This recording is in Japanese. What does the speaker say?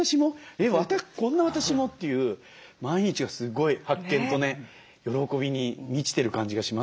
えっまたこんな私も？っていう毎日がすごい発見とね喜びに満ちてる感じがしますね。